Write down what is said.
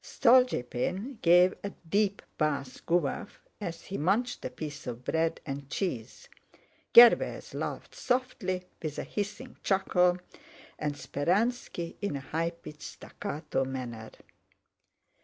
Stolýpin gave a deep bass guffaw as he munched a piece of bread and cheese. Gervais laughed softly with a hissing chuckle, and Speránski in a high pitched staccato manner.